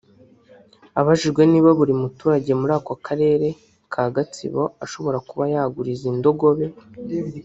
Abajijwe niba buri muturage muri aka karere ka Gatsibo ashobora kuba yagura izi Ndogobe